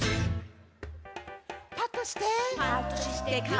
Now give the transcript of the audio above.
パッとして。